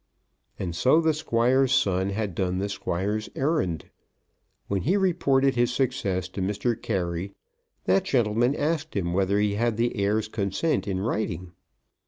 And so the Squire's son had done the Squire's errand. When he reported his success to Mr. Carey, that gentleman asked him whether he had the heir's consent in writing.